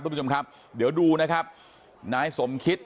คุณผู้ชมครับเดี๋ยวดูนะครับนายสมคิต